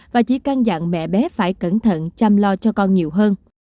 và chỉ căn dặn mẹ bé phải cẩn thận chăm lo cho con nhiều hơn